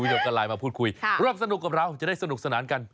วิจารณ์กันไลน์มาพูดคุยเริ่มสนุกกับเราจะได้สนุกสนานกัน